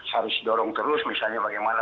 harus dorong terus misalnya bagaimana